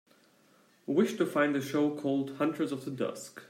Wish to find the show called Hunters of the Dusk